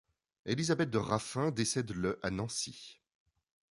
Élisabeth de Ranfaing décède le à Nancy.